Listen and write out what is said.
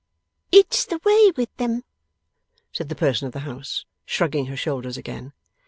'It's the way with them,' said the person of the house, shrugging her shoulders again.